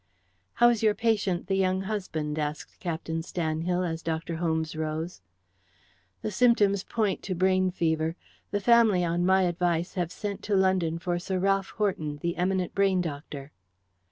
"How is your patient, the young husband?" asked Captain Stanhill, as Dr. Holmes rose. "The symptoms point to brain fever. The family, on my advice, have sent to London for Sir Ralph Horton, the eminent brain doctor."